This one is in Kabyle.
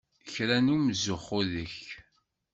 Kra n umzuxxu deg-k!